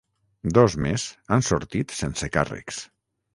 Dos més han sortit sense càrrecs.